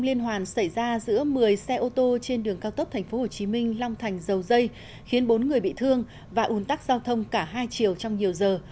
liên hoàn xảy ra giữa một mươi xe ô tô trên đường cao tốc tp hcm long thành dầu dây khiến bốn người bị thương và ủn tắc giao thông cả hai chiều trong nhiều giờ